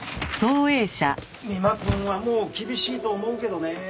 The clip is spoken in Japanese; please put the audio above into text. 三馬くんはもう厳しいと思うけどね。